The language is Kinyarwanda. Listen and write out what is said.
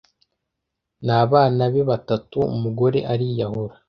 N’abana be batatu umugore ariyahura